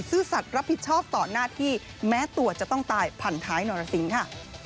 สัตว์รับผิดชอบต่อหน้าที่แม้ตัวจะต้องตายผ่านท้ายนรสิงค่ะ